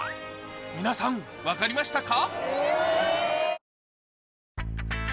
皆さん分かりましたか？